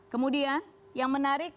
kemudian yang menarik